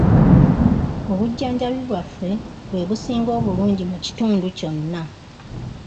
Obujjanjabi bwaffe bwe businga obulungi mu kitundu kyonna.